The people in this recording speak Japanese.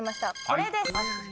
これです。